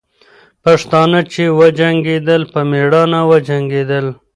پښتانه چې وجنګېدل، په میړانه وجنګېدل.